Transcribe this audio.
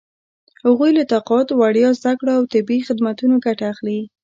هغوی له تقاعد، وړیا زده کړو او طبي خدمتونو ګټه اخلي.